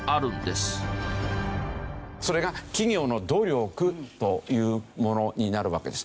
それが企業の努力というものになるわけです。